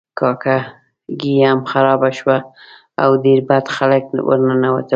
کاکه ګي هم خرابه شوه او ډیر بد خلک ورننوتل.